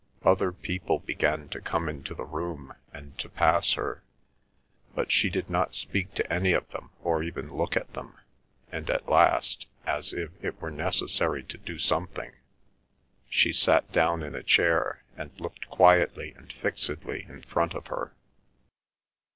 Other people began to come into the room, and to pass her, but she did not speak to any of them or even look at them, and at last, as if it were necessary to do something, she sat down in a chair, and looked quietly and fixedly in front of her.